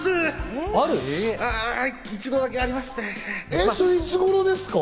一度だけあります。